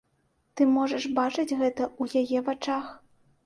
Ты можаш бачыць гэта ў яе вачах.